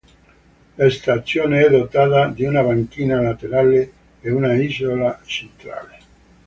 La stazione è dotata di una banchina laterale e una a isola centrale.